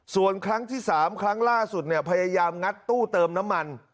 ส่วนครั้งที่๓ครั้งล่าสุดเนี่ยพยายามงัดตู้เติมน้ำมัน